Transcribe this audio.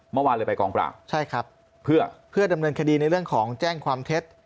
เมื่อวานเลยไปกองปราบใช่ครับเพื่อดำเนินคดีในเรื่องของแจ้งความเท็จ